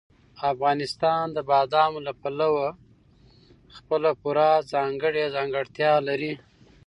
افغانستان د بادامو له پلوه خپله پوره ځانګړې ځانګړتیا لري.